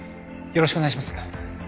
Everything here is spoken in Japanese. よろしくお願いします。